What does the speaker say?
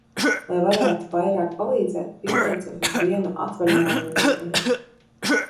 Lai varētu vairāk palīdzēt, pieteicos uz vienu atvaļinājuma nedēļu.